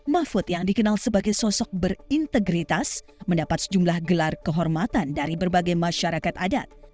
mahfud yang dikenal sebagai sosok berintegritas mendapat sejumlah gelar kehormatan dari berbagai masyarakat adat